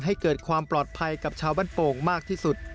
ให้เกิดความปลอดภัยกับชาวบ้านโป่งมากที่สุด